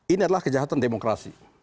ini adalah kejahatan demokrasi